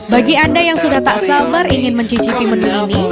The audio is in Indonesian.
bagi anda yang sudah tak samar ingin mencicipi menu ini